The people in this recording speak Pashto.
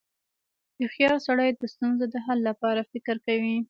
• هوښیار سړی د ستونزو د حل لپاره فکر کوي.